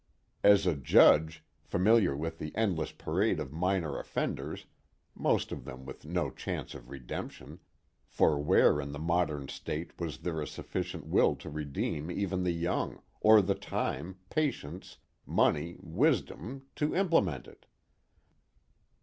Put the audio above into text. As a judge, familiar with the endless parade of minor offenders (most of them with no chance of redemption, for where in the modern state was there a sufficient will to redeem even the young, or the time, patience, money, wisdom, to implement it?)